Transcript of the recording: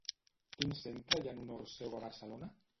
Quin centre hi ha en honor seu a Barcelona?